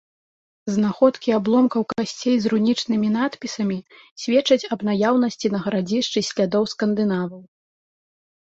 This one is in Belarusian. Знаходкі абломкаў касцей з рунічнымі надпісамі сведчаць аб наяўнасці на гарадзішчы слядоў скандынаваў.